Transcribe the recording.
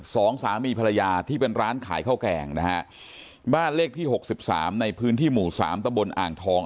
สองสามีภรรยาที่เป็นร้านขายข้าวแกงนะฮะบ้านเลขที่หกสิบสามในพื้นที่หมู่สามตะบนอ่างทอง